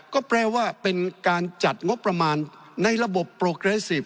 ก็แปลว่าเป็นการจัดงบประมาณในระบบโปรเกรส๑๐